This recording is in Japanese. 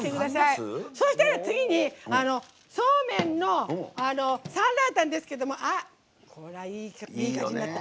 そしたら次に、そうめんのサンラータンですけれどもあっ、これはいい感じになった。